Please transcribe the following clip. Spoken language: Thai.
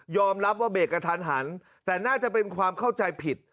รับว่าเบรกกระทันหันแต่น่าจะเป็นความเข้าใจผิด